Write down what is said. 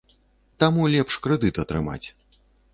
Таму лепш крэдыт атрымаць.